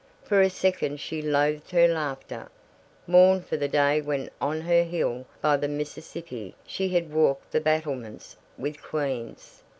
For a second she loathed her laughter; mourned for the day when on her hill by the Mississippi she had walked the battlements with queens.